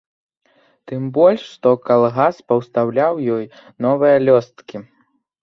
Тым больш што калгас паўстаўляў ёй новыя лёсткі.